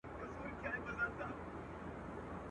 چا توپکونه چا واسکټ چا طیارې راوړي.